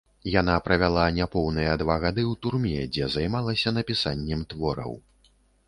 Яна правяла няпоўныя два гады ў турме, дзе займалася напісаннем твораў.